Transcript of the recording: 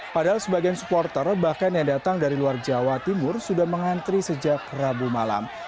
padahal sebagian supporter bahkan yang datang dari luar jawa timur sudah mengantri sejak rabu malam